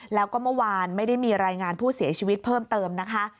แล้วก็เมื่อวานไม่ได้มีรายงานผู้เสียชีวิตเพิ่มเติมนะคะ